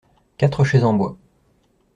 Quatre chaises en bois.